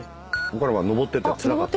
上ってってつらかった。